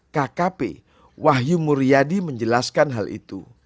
kkp wahyu muryadi menjelaskan hal itu